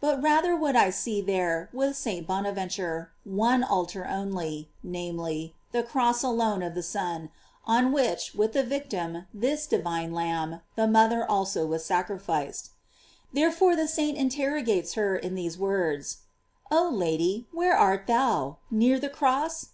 But rather would I see there, with St. Bonaven ture, one altar only, namely, the cross alone of the Son, on which, with the victim, this di vine Lamb, the mother also was sacrificed. Therefore the saint interrogates her in these words: Oh Lady, where art thou? Near the cross?